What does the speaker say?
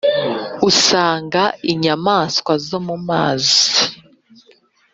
usanga inyamaswa zo mu mazi